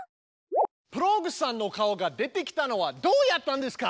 プログさんの顔が出てきたのはどうやったんですか？